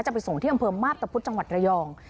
ไปส่งที่อำเภอมาพตะพุธจังหวัดระยอง